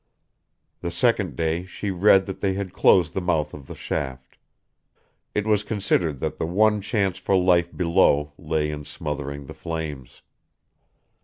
The second day she read that they had closed the mouth of the shaft; it was considered that the one chance for life below lay in smothering the flames.